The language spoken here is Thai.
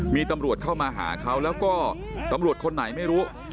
มีตำรวจเข้ามาหาเขาแล้วก็ตำรวจคนไหนไม่รู้